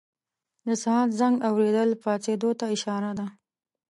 د ساعت زنګ اورېدل پاڅېدو ته اشاره ده.